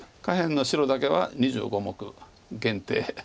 下辺の白だけは２５目限定。